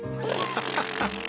ハハハハハ！